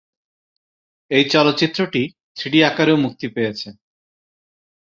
এ চলচ্চিত্রটি থ্রিডি আকারেও মুক্তি পেয়েছে।